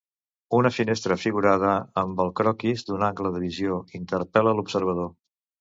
Una finestra figurada amb el croquis d'un angle de visió interpel·la l'observador.